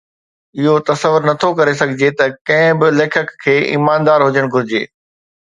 اهو تصور نه ٿو ڪري سگهجي ته ڪنهن به ليکڪ کي ايماندار هجڻ گهرجي